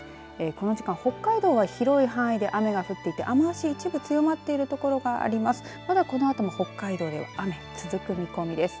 この時間、北海道は広い範囲で雨が降っていて、雨足一部強まっている所があります。